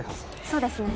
そうですね